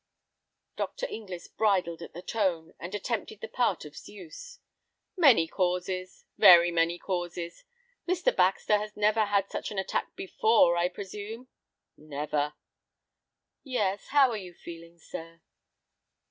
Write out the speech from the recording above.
Dr. Inglis bridled at the tone, and attempted the part of Zeus. "Many causes, very many causes. Mr. Baxter has never had such an attack before, I presume." "Never." "Yes—how are you feeling, sir?"